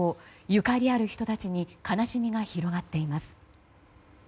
ゆかりある人たちに悲しみが広がっています。